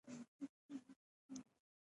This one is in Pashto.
د The Beast مطلب خو وحشي ځناور دے